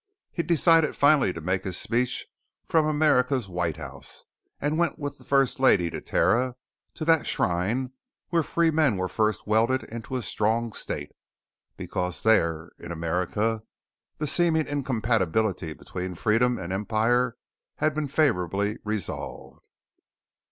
He decided finally to make his speech from America's White House, and went with the First Lady to Terra to that shrine where Free Men were first welded into a Strong State, because there in America the seeming incompatibility between Freedom and Empire had been favorably resolved.